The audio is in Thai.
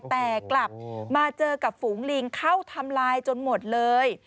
แต่กลับมาเจอกับฝูงลิงเข้าทำลายจนหมดเลย